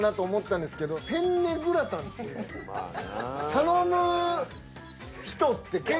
頼む人って結構。